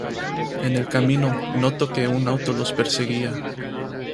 En el camino, notó que un auto los perseguía.